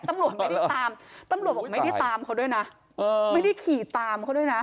ตำรวจไม่ได้ตามตำรวจบอกไม่ได้ตามเขาด้วยนะไม่ได้ขี่ตามเขาด้วยนะ